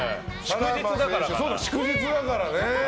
祝日だからかな。